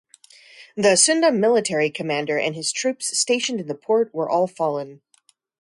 The Sunda military commander and his troops stationed in the port were all fallen.